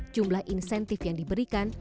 jumlah insentif yang diberikan